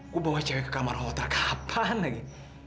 gue bawa cewek ke kamar hotel kapan lagi